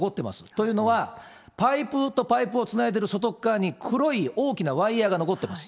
というのは、パイプとパイプをつないでる外側に黒い大きなワイヤーが残ってます。